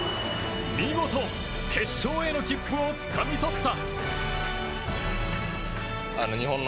見事、決勝への切符をつかみ取った。